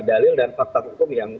dalil dan fakta hukum yang